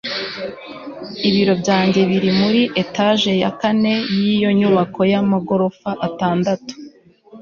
ibiro byanjye biri muri etage ya kane yiyo nyubako yamagorofa atandatu